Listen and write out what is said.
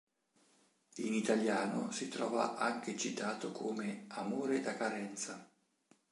In italiano si trova anche citato come "amore da carenza".